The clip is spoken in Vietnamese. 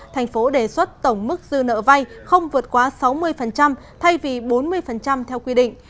thành phố đề xuất tổng mức dư nợ vay không vượt quá sáu mươi thay vì bốn mươi theo quy định